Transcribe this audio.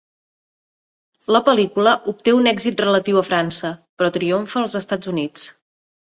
La pel·lícula obté un èxit relatiu en França, però triomfa als Estats Units.